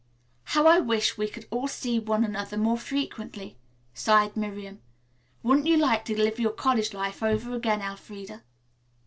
"How I wish we could all see one another more frequently," sighed Miriam. "Wouldn't you like to live your college life over again, Elfreda?"